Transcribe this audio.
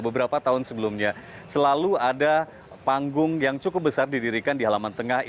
beberapa tahun sebelumnya selalu ada panggung yang cukup besar didirikan di halaman tengah